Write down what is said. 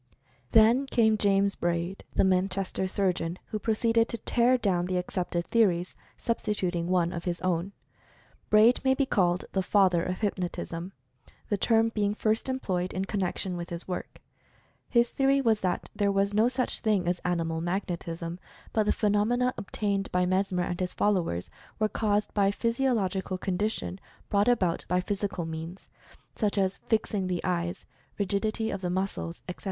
Then came James Braid, the Manchester surgeon, who proceeded to tear down the accepted theories, sub stituting one of his own. Braid may be called the father of "Hypnotism," the term being first employed in connection with his work. His theory was that there was no such thing as "animal magnetism," but the phenomena obtained by Mesmer and his followers was caused by a physiological condition brought about by physical means, such as fixing the eyes, rigidity of the muscles, etc.